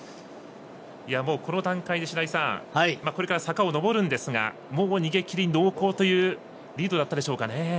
この段階で、白井さんこれから坂を上るんですがもう逃げきり濃厚というリードだったでしょうかね？